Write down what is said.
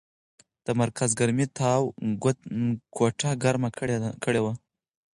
د مرکز ګرمۍ تاو کوټه ګرمه کړې وه.